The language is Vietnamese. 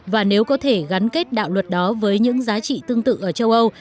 và nếu có thể gắn kết đạo luật đó với những giá trị tương tự ở châu âu